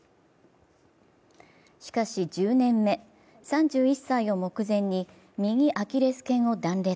しかし１０年目、３１歳を目前に右アキレスけんを断裂。